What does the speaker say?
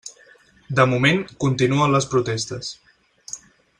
De moment, continuen les protestes.